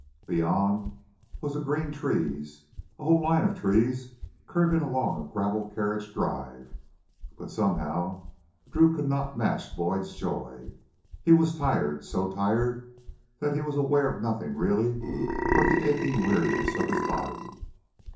Beyond was the green of trees, a whole line of trees curving along a gravel carriage drive. But somehow Drew could not match Boyd's joy. He was tired, so tired that he was aware of nothing really but the aching weariness of his body.